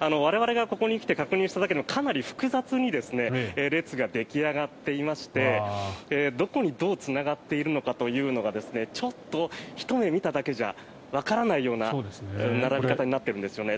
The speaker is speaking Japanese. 我々がここに来て確認しただけでもかなり複雑に列が出来上がっていましてどこに、どうつながっているのかというのがちょっとひと目見ただけじゃわからないような並び方になっているんですよね。